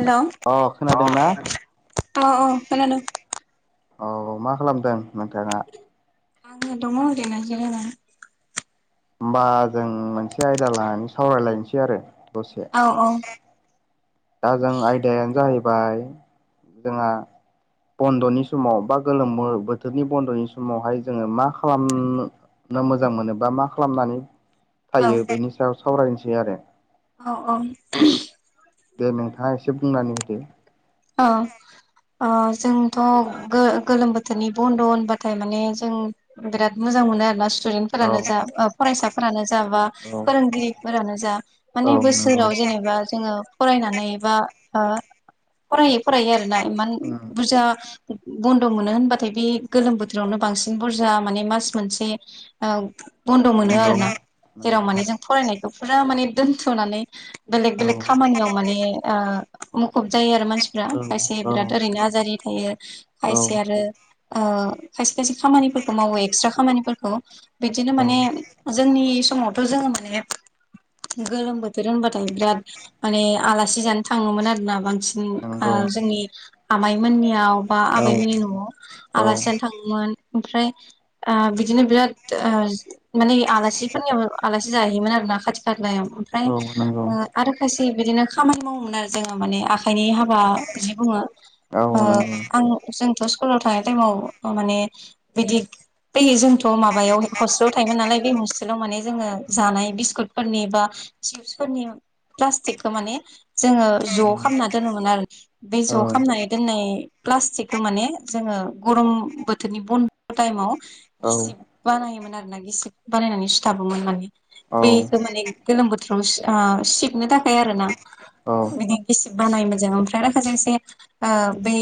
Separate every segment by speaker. Speaker 1: हेल' अ अ खोनादों
Speaker 2: औ मा खालामदों नोंथाङा
Speaker 1: आङो दङ एरैनो जिरायनानै
Speaker 2: होमबा जों मोनसे आयदा लानानै सावरायलायनोसै आरो दसे
Speaker 1: औ औ
Speaker 2: दा जों आयदायानो जाहैबाय जोंहा बन्द'नि समाव बा गोलोम बो बोथोरनि बन्द'नि समावहाय जोङो मा खालाम नो मोजां मोनो बा मा खालामनानै
Speaker 1: औ
Speaker 2: थायो बेनि सायाव सावरायनोसै आरो।
Speaker 1: औ औ।
Speaker 2: दे नोंथाङा एसे बुंनानै होदो।
Speaker 1: अ। अ जोंथ' ओ गोलोम बोथोरनि बन्द' होनबाथाय माने जों बिराद मोजां मोनो आरो ना
Speaker 2: औ
Speaker 1: स्टुदेन्टफोरानो जा ओ फरायसाफोरानो जा बा
Speaker 2: औ
Speaker 1: फोरोंगिरिफोरानो जा माने
Speaker 2: नंगौ
Speaker 1: बोसोराव जेनेबा जोङो फरायनानै बा ओ फरायै फरायै आरो ना इमान
Speaker 2: उम
Speaker 1: बुरजा बन्द' मोनो होनबाथाय बे गोलोम बोथोरावनो बांसिन बुरजा माने मास मोनसे औ बन्द' मोनो
Speaker 2: नंगौ
Speaker 1: आरो ना जेराव
Speaker 2: नंगौ
Speaker 1: माने जों फरायनायखौ फुरा माने दोनथ'नानै बेलेग
Speaker 2: औ
Speaker 1: बेलेग खामानियाव माने ओ मुखुब जायो आरो मानसिफ्रा खायसे
Speaker 2: औ औ
Speaker 1: बिराद ओरैनो आजादि थायो
Speaker 2: औ
Speaker 1: खायसे आरो ओ खायसे खायसे खामानिफोरखौ मावो एक्सट्रा खामानिफोरखौ बिदिनो
Speaker 2: औ
Speaker 1: माने जोंनि समावथ' जोङो माने गोलोम बोथोर होनबाथाय बिराद माने आलासि जानो थां थाङोमोन आरोना बांसिन ओ
Speaker 2: नंगौ
Speaker 1: जोंनि आमाइमोननियाव बा
Speaker 2: औ
Speaker 1: आबैमोननि न'आव
Speaker 2: औ
Speaker 1: आलासि जानो थाङोमोन ओमफ्राय आ बिदिनो बिराद ओ माने आलासिफोरनियाव आलासि जाहैयोमोन आरो ना खाथि खालायाव। ओमफ्राय
Speaker 2: औ नंगौ
Speaker 1: ओ आरो खायसे बिदिनो खामानि मावोमोन आरो जोङो माने आ खाइनि हाबा जि बुङो
Speaker 2: औ
Speaker 1: ओ
Speaker 2: नंगौ
Speaker 1: आं जोंथ' स्कुलाव थांनाय टाइमाव माने बिदि फैयो जोंथ' माबायाव हस लाव थायोमोन नालाय बे हस्टेलाव माने जोङो जानाय बिस्कुटफोरनि बा चिपसफोरनि प्लास्टिकखो माने जोङो
Speaker 2: औ
Speaker 1: ज' खामना दोनोमोन आरो बे ज' खामनानै दोननाय प्लास्टिकखो माने जोङो गरम बोथोरनि बन्द' टाइमाव
Speaker 2: औ
Speaker 1: गिसिब बानायोमोन आरो ना गिसिब बानायनानै सुथाबोमोन माने
Speaker 2: औ
Speaker 1: बेखौ माने गोलोम बोथोराव सि आ सिबनो थाखाय आरो ना
Speaker 2: औ
Speaker 1: बिदि गिसिब बानायोमोन जों ओमफ्राय माखासे इसे ओ बै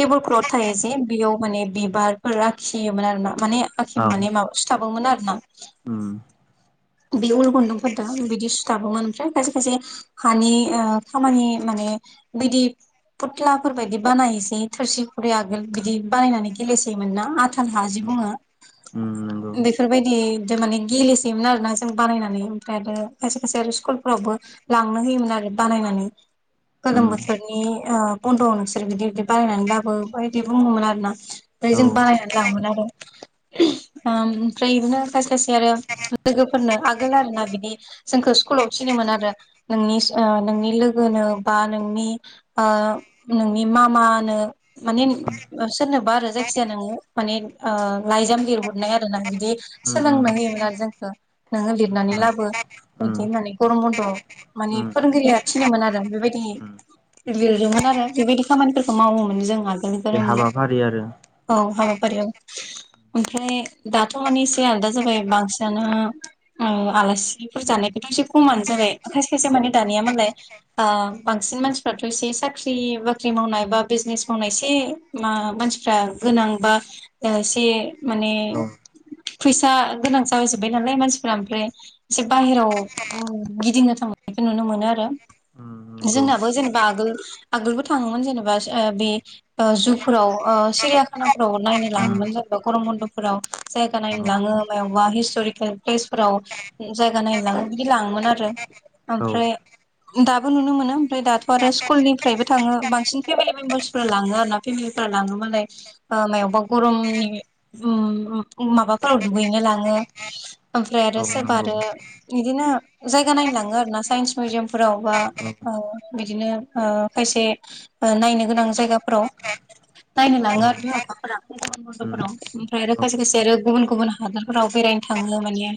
Speaker 1: टेबोल क्लथ थायो जे बेयाव माने बिबारफोर आखियोमोन आरो ना माने आखि
Speaker 2: औ
Speaker 1: माने माबा सुथाबोमोन आरो ना।
Speaker 2: उम
Speaker 1: बे उल गुन्दुंफोर दों बिदि सुथाबोमोन ओमफ्राय खायसे खायसे हानि ओ खामानि माने बिदि फुथ्लाफोर बायदि बानायसै थोरसि खुरि आगोल बिदि बानायनानै गेलेसोयोमोन ना आथाल हाजि बुङो।
Speaker 2: उम नंगौ
Speaker 1: बेफोरबायदि जों माने गेलेसोयोमोन आर ना जों बानायनानै ओमफ्राय आरो खायसे खायसे आरो स्कुलफ्रावबो लांनो होयोमोन आरो बानायनानै। गोलोम
Speaker 2: उम
Speaker 1: बोथोरनि ओ बन्द'आव नोंसोर बिदि बिदि बारायनानै लाबो बेबायदि बुङोमोन आरोना। फ्राय जों
Speaker 2: औ
Speaker 1: बानायनानै लाङोमोन आरो। ओम ओमफ्राय इदिनो खायसे खायसे आरो लोगोफोरनो आगोल आरो ना बिदि जोंखो स्कुलाव थिनोमोन आरो नोंनि ओ नोंनि लोगोनो बा नोंनि ओ नोंनि मा मानो माने
Speaker 2: उम
Speaker 1: ओ सोरनोबा आरो जायखिजाया नोङो माने ओ लाइजाम लिरहरनो आरो ना बिदि
Speaker 2: उम उम
Speaker 1: सोलोंनो होयोमोन आरो जोंखौ नोङो लिरनानै लाबो।
Speaker 2: उम
Speaker 1: बिदि होननानै गरम बन्द'
Speaker 2: उम
Speaker 1: माने फोरोंगिरिया थिग थिनोमोन आरो
Speaker 2: उम
Speaker 1: बेबायदि लिरदोंमोन आरो बेबायदि खामानिफोरखौ मावोमोन जों आगो
Speaker 2: मोनसे हाबाफारि आरो
Speaker 1: [unintelligible] औ हाबा फारियाव ओमफ्राय दाथ' माने एसे आलदा जाबाय बांसिनानो आं आलासिफोर जानायखौथ' एसे खमानो जाबाय खायसे खायसे
Speaker 2: उम
Speaker 1: माने दानिया मालाय ओ बांसिन मानसिफ्राथ' एसे साख्रि बाख्रि मावनाय बा बिजनेस मावनाय एसे मा मानसिफ्रा गोनां बा एसे माने
Speaker 2: औ
Speaker 1: फैसा गोनां जाहैजोबबाय नालाय मानसिफोरा ओमफ्राय एसे बाहेराव गिदिंनो थांनायखौ नुनो मोनो आरो
Speaker 2: उम नंगौ
Speaker 1: जोंनाबो जेनेबा आगोल आगोलबो थांङोमोन जेनेबा ओ बे ओ जुफोराव ओ सिरियाखानाफोराव नायनो
Speaker 2: उम
Speaker 1: लाङोमोन जोंखौ गरम बन्द'फोराव जायगा नायनो
Speaker 2: नंगौ
Speaker 1: लांङो मायावबा हिस्ट'रिकेल प्लेसफोराव। जायगा नायनोलांङो बिदि लांङोमोन आरो
Speaker 2: औ
Speaker 1: ओमफ्राय दाबो नुनो मोनो ओमफ्राय दाथ' आरो स्कुलनिफ्रायबो थांङो बांसिन फेमिलि मेम्बार्स फोर लांङो आरोना फेमेलि लांङो मालाय मायावबा गरमनि ओम माबाफोराव दुगैनो लांङो ओमफ्राय आरो
Speaker 2: औ
Speaker 1: सोरबा
Speaker 2: नंगौ
Speaker 1: आरो बिदिनो जायगा नायनोलांङो आरो ना साइन्स मिउजियाम फोराव बा
Speaker 2: औ
Speaker 1: ओ बिदिनो ओ खायसे नायनो गोनां जायगाफोराव नायनो लांङो आरो
Speaker 2: उम
Speaker 1: बिमा-बिफाफोरा बन्द'फोराव ओमफ्राय आरो
Speaker 2: औ
Speaker 1: खायसे खायसे आरो गुबुन गुबुन हादोरफोराव बेरायनो थांङो माने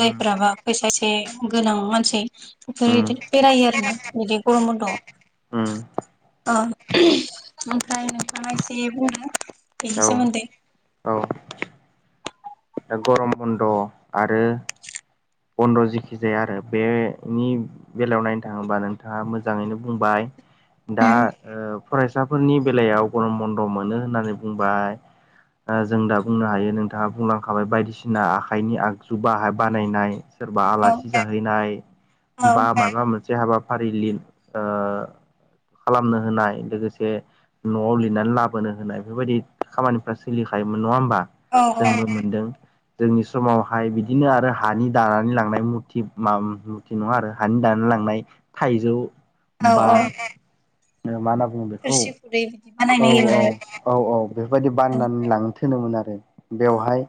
Speaker 2: उम
Speaker 1: फैसा एसे गोनां मानसि बे
Speaker 2: उम
Speaker 1: बिदिनो बेरायो आरोना बिदि गरम बन्द'आव
Speaker 2: उम
Speaker 1: ओम ओमफ्राय नोंथांङा एसे बुंदो बेनि
Speaker 2: औ
Speaker 1: सोमोन्दै
Speaker 2: औ दा गरम बन्द' आरो बन्द'' जिखि जाया आरो बेनि बेलायाव नायनो थांङोबा नोंथांङा मोजांङैनो बुंबाय दा
Speaker 1: उम
Speaker 2: ओ फरायसाफोरनि बेलायाव गरम बन्द' मोनो होननानै बुंबाय ओ जों दा बुंनो हायो नोंथांङा बुंलांखाबाय बायदिसिना आखाइनि आ जुबा बानायनाय सोरबा
Speaker 1: औ
Speaker 2: आलासि जाहैनाय
Speaker 1: औ
Speaker 2: बा माबा मोनसे हाबा फारिलिर ओ खालामनो होनाय लोगोसे न'आव लिरनानै लाबोनो होनाय बेफोरबायदि खामानिफ्रा सोलिखायोमोन नंङा होमबा
Speaker 1: औ
Speaker 2: जोंबो
Speaker 1: औ
Speaker 2: मोनदों जोंनि समाव हाय बिदिनो आरो हानि दानानै लांनाय मुरथि मा मुरथि नंङा आरो हानि दानानै लांनाय थाइजौ
Speaker 1: औ
Speaker 2: बा
Speaker 1: औ
Speaker 2: मा होनना बुंङो बेखौ
Speaker 1: थोरसि खुरै बिदि
Speaker 2: औ
Speaker 1: बानायनो
Speaker 2: औ
Speaker 1: होयोमोन
Speaker 2: औ औ बेफोरबायदि बाननानै लांनोथोनोमोन आरो
Speaker 1: आरो
Speaker 2: बेवहाय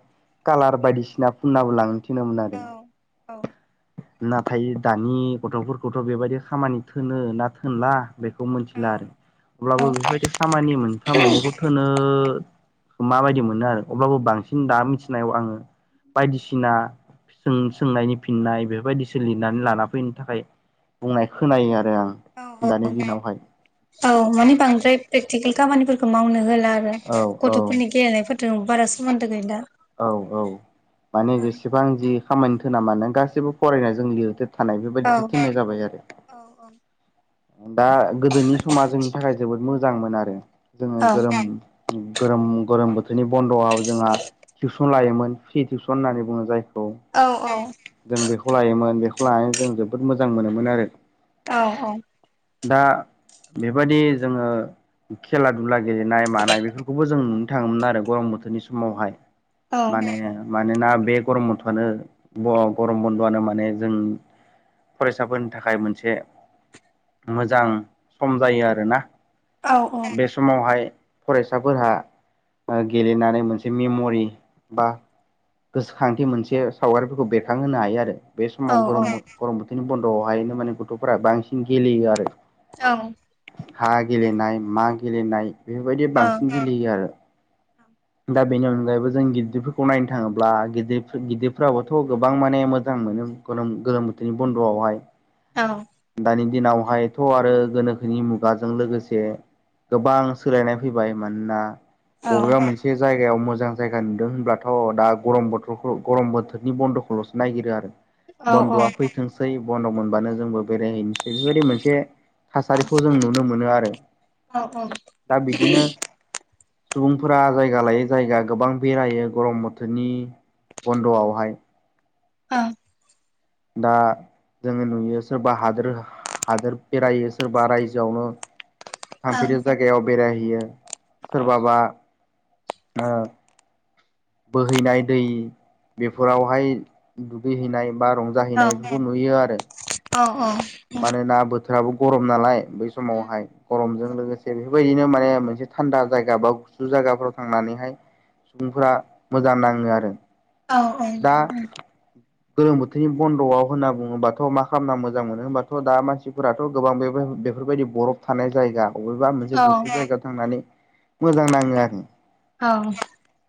Speaker 2: कालार बायदिसिना फुननाबो लांनो थिनोमोन आरो
Speaker 1: औ औ
Speaker 2: नाथाय दानि गथ'फोरखौथ' बेबायदि खामानि थोनो ना थोनला बेखौ मिथिला आरो अब्लाबो
Speaker 1: औ
Speaker 2: बेफोरबायदि खामानि मोनफा मोननैखौ थोनो माबायदि मोनो आरो अब्लाबो बांसिन दा मिथिनायाव आंङो बायदिसिना सोंनायनि फिननाय बेफोरबायदिसो लिरनानै लाना फैनो थाखाय बुंनाय खोनायो आरो आं दानि दिनावहाय
Speaker 1: औ माने बांद्राय प्रेकटिकेल खामानिफोरखौ मावनो होला आरो
Speaker 2: औ औ
Speaker 1: गथ'फोरनि गेलेनायफोर जों बारा सोमोन्दो गैला
Speaker 2: औ औ माने
Speaker 1: औ
Speaker 2: जेसेबां जि खामानिथोन ना मानो गासैबो फरायनायजों लिरदो थानाय बेबायदिसो थोनाय जाबाय आरो
Speaker 1: औ औ।
Speaker 2: दा गोदोनि समा जोंनि थाखाय जोबोद मोजां मोन आरो जोंङो
Speaker 1: औ
Speaker 2: गोरोम गरोम गरोम बोथोरनि बन्द'आव जोंहा टिउसन लायोमोन फ्रि टिउसन होननानै बुंङो जायखौ
Speaker 1: औ औ।
Speaker 2: जों बेखौ लायोमोन बेखौ लानानै जों जोबोद मोजां मोनोमोन आरो
Speaker 1: औ औ।
Speaker 2: दा बेबायादि जोंङो खेला दुला गेलेनाय मानाय बेफोरखौबो जों नुनो थाङोमोन आरो गरम बोथोरनि समावहाय
Speaker 1: औ
Speaker 2: माने मानोना बे गरम बथ'आनो गरम बन्द'आनो माने जों फरायसाफोरनि थाखाय मोनसे मोजां सम जायो आरोना
Speaker 1: औ
Speaker 2: बे सम समावहाय फरायसाफोरहा गेलेनानै मोनसे मेम'रि बा गोसोखांथि मोनसे सावगारिफोरखौ बेरखांहोनो हायो आरो बे
Speaker 1: औ
Speaker 2: समाव गरम गरम बोथोरनि बन्द'आवहायनो माने गथ'फोरा बांसिन गेलेयो आरो
Speaker 1: औ
Speaker 2: हा गेलेनाय मा गेलेनाय बेफोरबायदि बांसिन गेलेयो आरो दा बेनि अनगायैबो जों गिदिरफोरखौ नायनो थाङोब्ला गिदिर गिदिरफ्राबोथ' गोबां माने मोजां मोनो गोलोम गोलोम बोथोरनि बन्द'आवहाय
Speaker 1: औ।
Speaker 2: दानि दिनावहायथ' आरो गोनोखोनि मुगाजों लोगोसे गोबां सोलायनाय फैबाय मानोना
Speaker 1: औ
Speaker 2: बबेबा मोन से जायगायाव मोजां जायगा नुदों होनब्लाथ' दा गरम बोथोरखौ गरम बोथोरनि बन्द'खौल'सो नागिरो आरो।
Speaker 1: ओं
Speaker 2: बन्द'आ
Speaker 1: ओं
Speaker 2: फैथोंसै बन्द' मोनबानो जोंबो बेरायहैनोसै बेबायदि मोनसे थासारिखौ जों नुनो मोनो आरो
Speaker 1: औ औ
Speaker 2: दा बिदिनो सुबुंफोरा जाय जायगा लायोै जायगा गोबां बेरायो गरम बोथोरनि बन्द'आवहाय।
Speaker 1: औ
Speaker 2: दा जोङो नुयो सोरबा हादोर हादोर बेरायो सोरबा रायजोआवनो थांफेरि जायगायाव बेरायहैयो सोरबाबा ओ बोहैनाय दै बेफोरावहाय दुगैहैनाय बा रंजाहैनाय बेफोरखौ नुयो आरो मानोना बो बोथोराबो गरम नालाय बै समावहाय गरमजों लोगोसे बेफोरबायदिनो माने मोनसे थान्दा जायगा बा गुसु जायगाफ्राव थांनानैहाय सुबुंफोरा मोजां नाङो आरो दा गोलोम बो थोरनि बन्द'आव होनना बुङोबाथ' मा खालामना मोजां मोनो होनबाथ' दा मानसिफोराथ' गोबां बे बेफोरबायदि बरफ थानाय जायगा बबेबा मोनसे गुसु जायगायाव थांनानै मोजां नाङो आरो।
Speaker 1: औ औ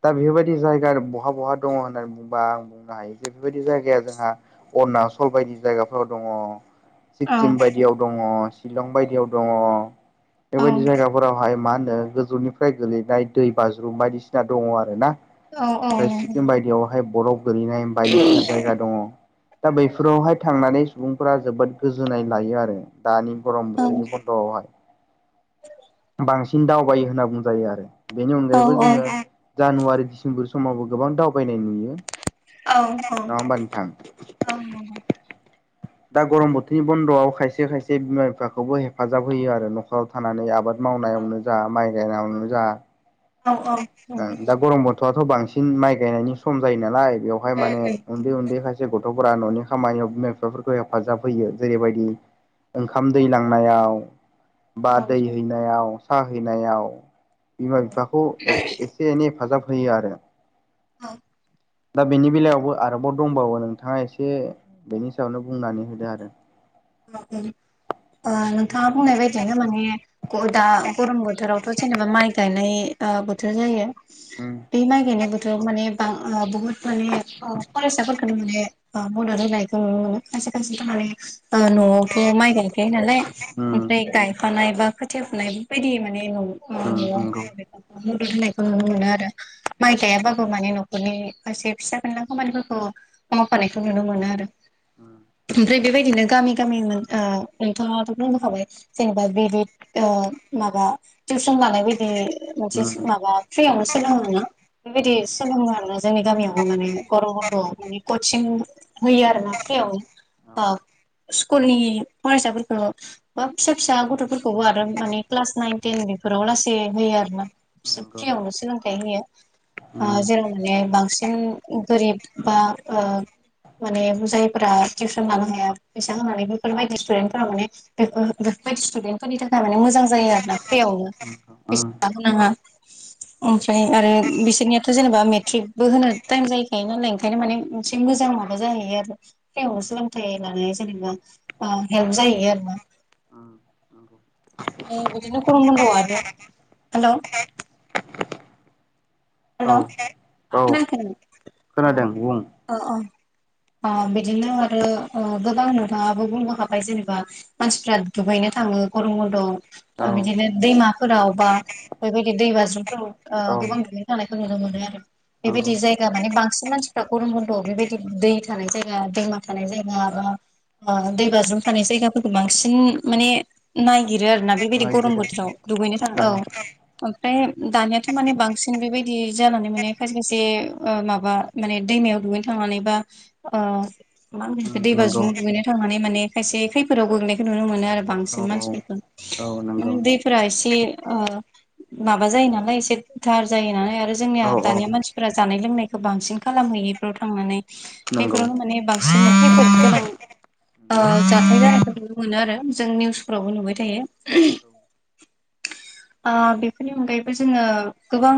Speaker 2: दा बेफोरबायदि जायगा बहा बहा दङ होननानै बुंङोबा आं बुंनो हायो जे बेबायदि जायगाया जोंहा अरुणचल बायदि जायगाफोराव दङ सिक्किम
Speaker 1: औ
Speaker 2: बाय दियाव दङ चिलं बायदियाव दङ
Speaker 1: औ
Speaker 2: बेबायदि जायगा फोरावहाय मा होनो गोजौनिफ्राय गोलैनाय दै बाज्रुुम बायदिसिना दङ आरो ना।
Speaker 1: औ औ
Speaker 2: ओमफ्राय सिक्किम बायदियावहाय बरफ गोलैनाय बायदिसिना जायगा दङ। दा बैफोरावहाय थांनानै सुबुंफोरा जोबोद गोजोननाय लायो आरो। दानि गरम
Speaker 1: नंगौ
Speaker 2: बोथोरनि बन्द'आवहाय बांसिन दावबायो होनना बुंजायो आरो बेनि
Speaker 1: औ
Speaker 2: अनगायैबो
Speaker 1: औ
Speaker 2: जोङो जानुवारि दिडसेम्बर समावबो गोबां दावबायनाय नुयो।
Speaker 1: औ औ
Speaker 2: नङा होमबा नोंथां
Speaker 1: औ
Speaker 2: दा गरम बोथोरनि बन्द'आव खायसे खायसे बिमा बिफाखौबो हेफाजाब होयो आरो न'खराव थानानै आबाद मावनायावनो जा माइ गायनायावनो जा
Speaker 1: औ औ।
Speaker 2: ओं दा गरम बथ'आथ' बांसिन माइ गायनायनि सम जायो नालाय बेवहाय माने उन्दै उन्दै खाय से गथ'फोरा न'नि खामानियाव बिमा बिफाफोरखौ हेफाजाब होयो जेरैबायदि ओंखाम दै लांनायाव बा दै हैनायाव साहा हैनायाव बिमा बिफाखौ एफ एसे एनै हेफाजाब होयो आरो।
Speaker 1: औ।
Speaker 2: दा बेनि बेलायावबो आरोबाव दंबावो नोंथाङा एसे बेनि सायावनो बुंनानै होदो आरो।
Speaker 1: ओ नोंथाङा बुंनाय बायदिनो माने ग दा गरम बोथो रावथ' जेनेबा माइ गायनाय ओ बोथोर जायो।
Speaker 2: उम
Speaker 1: बे माइ गायनाय बोथोराव माने बा ओ बुहुत माने ओ फरायसाफोरखौनो माने ओ बुंनो रोंला बेखौ खायसे खायसेथ'माने ओ न'आवथ' माइ गायखायो नालाय
Speaker 2: उम
Speaker 1: ओमफ्राय गायफानाय बा खोथिया फुनाय बेफोरबायदि माने न'आव [unintelligible]
Speaker 2: उम नंगौ उम
Speaker 1: बेफोरखौ मदद होनायखौ नुनो मोनो आरो। माइ गायाबो माने न' नरनि खायसे फिसा फेनला खामानिफोरखौ मावफानायखौ नुनो मोनो आरो। ओमफ्राय बेबायदिनो गामि गामिमोन ओ नोंथाङाथ' बुंबोखाबाय जेनेबा बि दि ओ माबा टिउसन लानाय बायदि मोनसे माबा फ्रियावनो सोलोंङो ना?
Speaker 2: उम औ नंगौ उम
Speaker 1: बेबायदि सोलोङो आरोना जोंनि गामियावबो माने गरम बन्दआव माने कचिं होयो आरोना फ्रियाव ओ स्कुलनि फरायसाफोरखौ बा फिसा फिसा गथ'फोरखौबो आरो माने क्लास नाइन, टेन बेफोराव लासै होयो आरोना
Speaker 2: नंगौ
Speaker 1: फिसा फ्रियावनो सोलोंथाय होयो ओ
Speaker 2: उम
Speaker 1: जेराव माने बांसिन गोरिब बा ओ माने जायफोरा टिउसन लानो हाया फैसा होनानै बेफोरबायायदि स्टुदेन्टफोरा माने बेफोर बेफोरबायदि स्टुदेन्टफोरनि थाखाय माने मोजां जायो आरोना फ्रियावनो
Speaker 2: उम
Speaker 1: फिस नाबो नाङा ओमफ्राय आरो बिसोरनियाथ' जेनेबा मेट्रिकबो होनो टाइम जाहैखायो नालाय ओंखायनो माने मोनसे मोजां माबा जाहैयो आरो फ्रियावनो सोलोंथाइ लानाय जेनेबा ओ हेल्प जाहोयो आरोना
Speaker 2: उम नंगौ
Speaker 1: ओ बिदिनो गरम बन्दआव आरो हेलौ हेलौ
Speaker 2: औ औ
Speaker 1: खोनायाखो नों
Speaker 2: खोनादों बुं
Speaker 1: ओ अ ओ बिदिनो आरो ओ गोबां नोंथाङाबो बुंबोखाबाय जेनेबा मानसिफ्रा दुगैनो थाङो गरम बन्दआव ओ
Speaker 2: औ
Speaker 1: बिदिनो दैमाफोराव बा बेबायदि दै बाज्रुमफोराव ओ
Speaker 2: औ
Speaker 1: गोबां दुगै थांनायखौ नुनो मोनो आरो
Speaker 2: नंगौ
Speaker 1: बेबायदि जायगा मानि बांसिन मानसिफ्रा गरम बन्द'आव बेबायदि दै थानाय जायगा दैमा थानाय जायगा बा ओ दै बाज्रुम थानाय जायगाफोरखौ बांसिन माने नायागिरो आरोना बेबायदि गरम
Speaker 2: नायगिरो
Speaker 1: बोथोराव दुगैनो थाङ औ ओमफ्राय दानियाथ' माने बांस सिन बेबायदि जानानै माने खायसे खायसे ओ माबा माने दैमायाव दुगैनो थांनानै बा ओ मा होनगोन
Speaker 2: उम
Speaker 1: बिखो दैबा
Speaker 2: नंगौ
Speaker 1: ज्रुमाव दुगैनो थांनानै माने खायसे खैफोराव गोग्लैनायखौ नुनो मोनो आरो
Speaker 2: औ
Speaker 1: बांसिन
Speaker 2: औ
Speaker 1: मानसिफोरखौ
Speaker 2: औ
Speaker 1: मने
Speaker 2: नंगौ
Speaker 1: दैफोरा एसे ओ माबा जायो नालाय एसे गोथार जायो नालाय आरो जोंनिया
Speaker 2: औ औ
Speaker 1: दानिया मानसिफोरा जानाय लोंनायखौ बांसिन खालामहैयो इफोराव थांनानै
Speaker 2: नंगौ
Speaker 1: बेफोरावनो माने बांसिन खैफोद गोनां
Speaker 2: औ
Speaker 1: ओ जाथाय जानायखौ नुनो मोनोआरो जों निउसफ्रावबो नुबाय थायो ओ बेफोरनि अनगायैबो जोङो गोबां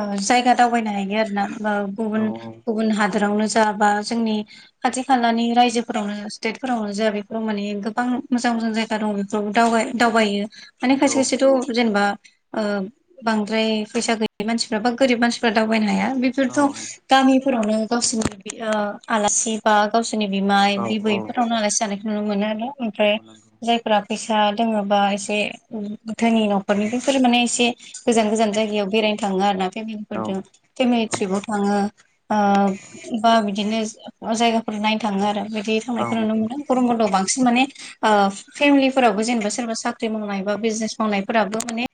Speaker 1: ओ जायगा दावबायनो हायो आरोना ओ
Speaker 2: औ
Speaker 1: गुबुन गुबुन हादोरावनो जा बा जोंनि खाथि खालानि रायजोफोरावनो स्टेटफोरावनो जोंहा बेफोराव माने गोबां मोजां मोजां जायगा दङ दं दावबाय दावबायो माने खायसे
Speaker 2: औ नंगौ
Speaker 1: खायसेथ' जेनेबा ओ बांद्राय फैसा गैयि मानसिफ्रा बा गोरिब मानसिफ्रा दावबायनो हाया बेफोरथ' गामिफोरावनो गावसोरनि ओ आलासि बा गावसोरनि बिमाय, बिबै बेफोरावनो आलासि जानायखौ नुनो मोनो आरो ओमफ्राय
Speaker 2: औ
Speaker 1: जायफोरा फैसा दोङो बा एसे गोधोनि न'खरनि
Speaker 2: नंगौ
Speaker 1: बैफोर माने एसे गोजान गोजान जायगायाव बेरायनो थाङो आरोना
Speaker 2: औ
Speaker 1: फेमिलिफोरजों फेमिलि ट्रिपाव थाङो ओ बा बिदिनो जायगाफोर नायनो थाङो आरो बिदि थांनायखौ नुनो
Speaker 2: औ
Speaker 1: मोनो गरम बन्द'आव बांसिन माने फेमिलिफोरावबो जेनेबा सोरबा साख्रि मावनाय बा बिजनेस मावनायफोराबो माने